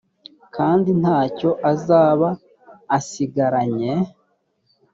kandi nta cyo azaba asigaranye